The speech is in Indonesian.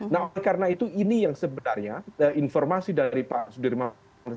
nah oleh karena itu ini yang sebenarnya informasi dari pak sudirman